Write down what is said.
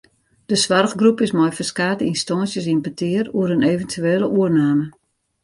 De soarchgroep is mei ferskate ynstânsjes yn petear oer in eventuele oername.